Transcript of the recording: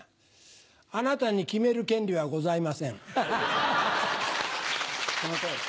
あなたに決める権利はございません。